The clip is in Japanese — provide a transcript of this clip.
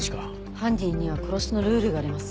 犯人には殺しのルールがあります。